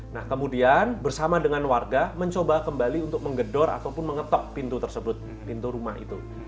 nah kemudian bersama dengan warga mencoba kembali untuk menggedor ataupun mengetok pintu tersebut pintu rumah itu